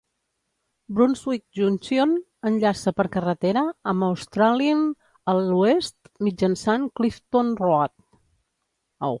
Brunswick Junction enllaça per carretera amb Australind a l'oest, mitjançant Clifton Road.